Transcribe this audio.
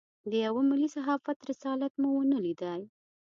د یوه ملي صحافت رسالت مو ونه لېدای.